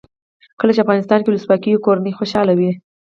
کله چې افغانستان کې ولسواکي وي کورنۍ خوشحاله وي.